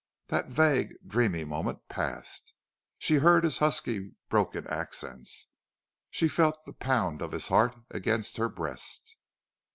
That vague, dreamy moment passed. She heard his husky, broken accents she felt the pound of his heart against her breast.